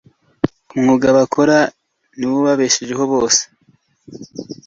umwuga bokora niwo ubabesheho bose